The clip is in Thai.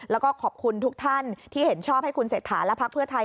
แล้วก็ขอบคุณทุกท่านที่เห็นชอบให้คุณเศรษฐาและพักเพื่อไทย